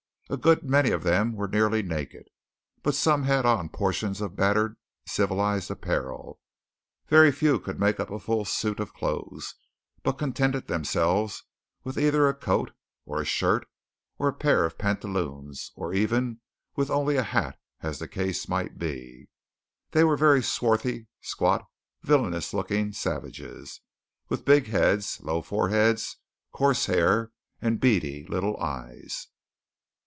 A good many of them were nearly naked; but some had on portions of battered civilized apparel. Very few could make up a full suit of clothes; but contented themselves with either a coat, or a shirt, or a pair of pantaloons, or even with only a hat, as the case might be. They were very swarthy, squat, villainous looking savages, with big heads, low foreheads, coarse hair, and beady little eyes.